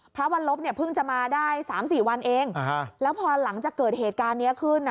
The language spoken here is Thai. วันลบเนี่ยเพิ่งจะมาได้๓๔วันเองแล้วพอหลังจากเกิดเหตุการณ์นี้ขึ้น